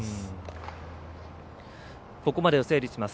ここまでを整理します。